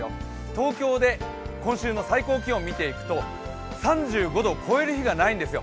東京で今週の最高気温見ていくと３５度、超える日がないんですよ。